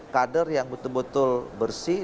kader yang betul betul bersih